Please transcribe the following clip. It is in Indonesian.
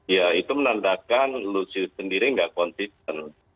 ya itu menandakan lusius sendiri nggak konsisten